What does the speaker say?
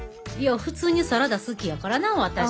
いや普通にサラダ好きやからな私。